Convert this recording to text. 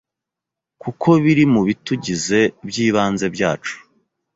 kuko biri mu bitugize by'ibanze byacu